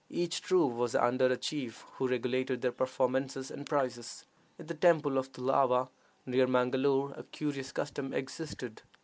Each troop was under a chief, who regulated their performances and prices. In the temple of Tulava, near Mangalore, a curious custom existed.